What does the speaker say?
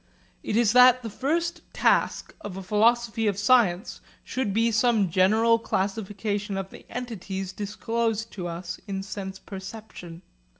It is that the first task of a philosophy of science should be some general classification of the entities disclosed to us in sense perception.